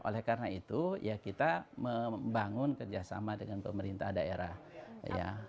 oleh karena itu ya kita membangun kerjasama dengan pemerintah daerah ya